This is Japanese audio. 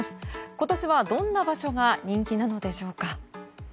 今年はどんな場所が人気なのでしょうか。